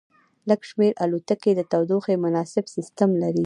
لږ شمیر الوتکې د تودوخې مناسب سیستم لري